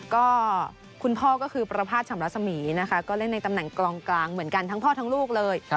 ก็คุณพ่อก็คือประพาทชำระสมีนะคะก็เล่นในตำแหน่งกลองกลางเหมือนกันทั้งพ่อทั้งลูกเลย